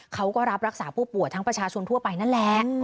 เขาก็รับรักษาผู้ป่วยทั้งประชาชนทั่วไปนั่นแหละ